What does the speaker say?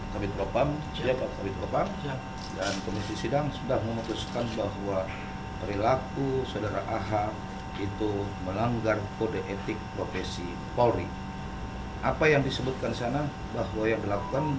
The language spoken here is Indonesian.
kode etik polri apa yang disebutkan di sana bahwa yang dilakukan